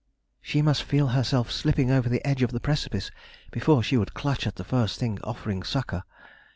She must feel herself slipping over the edge of the precipice before she would clutch at the first thing offering succor.